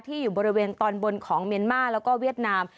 อยู่บริเวณตอนบนของเมียนมาร์แล้วก็เวียดนาม